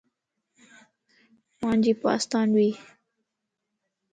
مانجي پاستان ٻي